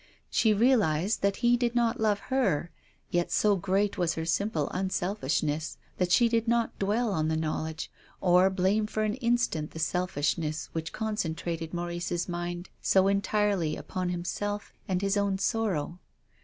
She realised that he did not love her, yet so great was her simple unselfishness, that she did not dwell on the knowledge, or blame for an instant the selfishness which concentrated Maurice's mind so entirely upon himself and his own sorrow.